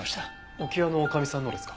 置屋の女将さんのですか？